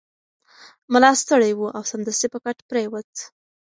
ملا ستړی و او سمدستي په کټ پریوت.